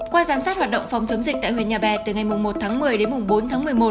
qua giám sát hoạt động phòng chống dịch tại huyện nhà bè từ ngày một tháng một mươi đến bốn tháng một mươi một